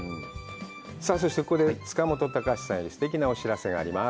そしてここで塚本高史さんよりすてきなお知らせがあります。